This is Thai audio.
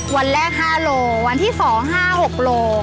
วันแรก๕โลวันที่๒๕๖โล